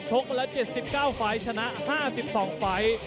ชกและ๗๙ฟ้ายชนะ๕๒ฟ้าย